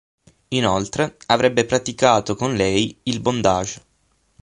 Inoltre avrebbe praticato con lei il bondage.